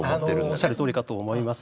おっしゃるとおりかと思います。